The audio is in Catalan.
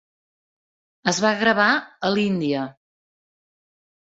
Es va gravar a l'Índia.